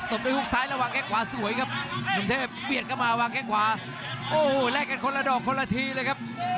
บด้วยฮุกซ้ายระวังแค่งขวาสวยครับหนุ่มเทพเบียดเข้ามาวางแข้งขวาโอ้โหแลกกันคนละดอกคนละทีเลยครับ